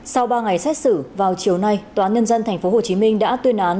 sau ba ngày xét xử vào chiều nay tòa nhân dân tp hcm đã tuyên án